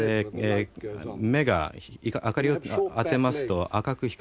目が明かりを当てますと赤く光るんです。